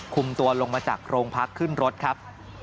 คุมตัวลงมาจากโรงพักขึ้นรถครับ